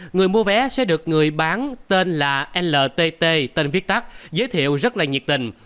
người mua vé sẽ được người bán tên là ltt tên viết tắt giới thiệu rất là nhiệt tình